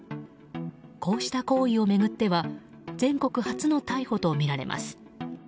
こうした行為を巡っては全国初の逮捕とみられます。